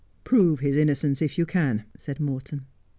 ' Prove his innocence if you can,' said Morton.